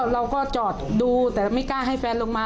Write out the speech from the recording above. เราก็จอดดูแต่ไม่กล้าให้แฟนลงมา